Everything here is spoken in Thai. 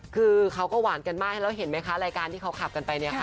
คือเขาก็หวานกันมากแล้วเห็นไหมคะรายการที่เขาขับกันไปเนี่ยค่ะ